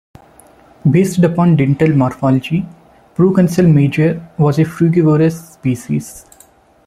Based upon dental morphology, "Proconsul major" was a frugivorous species.